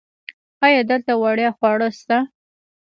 ایا دلته وړیا خواړه شته؟